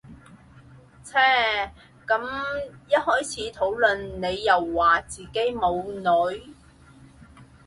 唓咁一開始討論你又話自己冇女